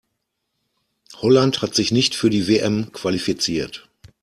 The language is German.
Holland hat sich nicht für die WM qualifiziert.